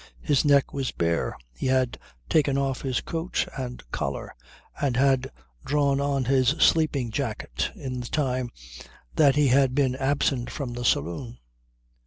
His neck was bare; he had taken off his coat and collar and had drawn on his sleeping jacket in the time that he had been absent from the saloon.